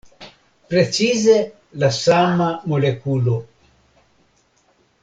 Precize la sama molekulo.